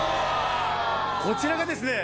こちらがですね